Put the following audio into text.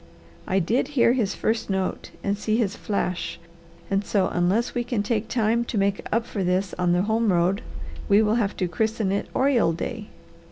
I did hear his first note and see his flash, and so unless we can take time to make up for this on the home road we will have to christen it oriole day.